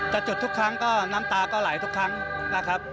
จุดทุกครั้งก็น้ำตาก็ไหลทุกครั้งนะครับ